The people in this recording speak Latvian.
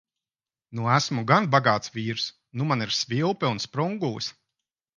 Nu esmu gan bagāts vīrs. Nu man ir svilpe un sprungulis!